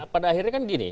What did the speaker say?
pada akhirnya kan begini